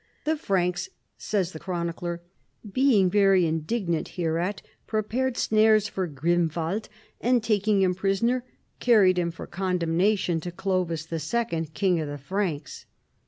" The Franks," says the chronicler, " being very indignant hereat, prepared snares for Grimwald, and, taking him prisoner, carried him for condemnation to Ciovis XL, King of the Franks.